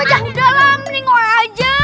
udah lah mendingan aja